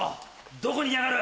どこにいやがる！